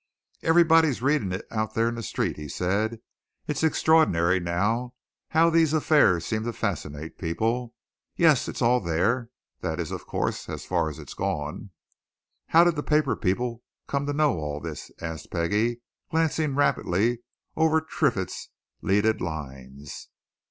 "Everybody's reading it out there in the streets," he said. "It's extraordinary, now, how these affairs seem to fascinate people. Yes it's all there. That is, of course, as far as it's gone." "How did the paper people come to know all this?" asked Peggie, glancing rapidly over Triffitt's leaded lines.